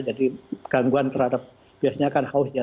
jadi gangguan terhadap biasanya kan haus ya